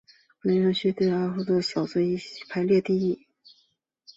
本游戏也是阿历克斯小子系列第一作。